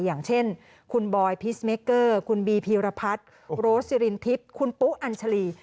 อย่างเช่นคุณบอยพีชเมเกอร์คุณบีพีรพัฒน์โรสสิรินทิพย์คุณปุ๊อัญชาลี